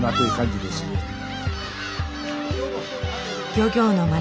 漁業の町